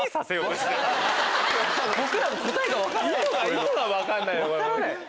意図が分かんないよ。